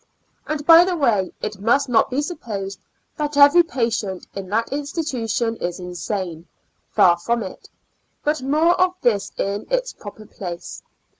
And by the way, it must not be supposed that every patient in that institution is insane ; far from it ; but more of this in its proper place.